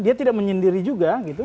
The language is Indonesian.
dia tidak menyendiri juga gitu